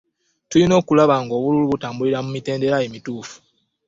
Tulina okulaba nga obululu butambulira mu mitendera emituufu.